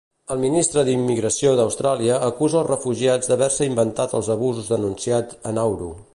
El ministre d'Immigració d'Austràlia acusa els refugiats d'haver-se inventat els abusos denunciats a Nauru.